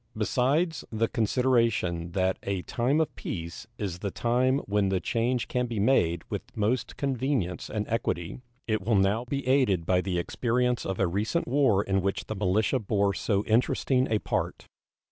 Besides the consideration that a time of peace is the time when the change can be made with most convenience and equity, it will now be aided by the experience of a recent war in which the militia bore so interesting a part.